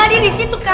ada di situ kan